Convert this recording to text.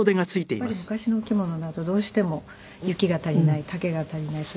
やっぱり昔のお着物だとどうしても裄が足りない丈が足りない袖が足りない。